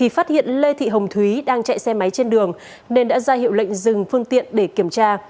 phát hiện lê thị hồng thúy đang chạy xe máy trên đường nên đã ra hiệu lệnh dừng phương tiện để kiểm tra